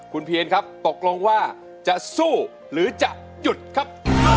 คุณเพียนครับตกลงว่าจะสู้หรือจะหยุดครับ